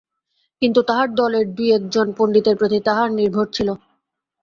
কিন্তু তাঁহার দলের দুই-এক জন পণ্ডিতের প্রতি তাঁহার নির্ভর ছিল।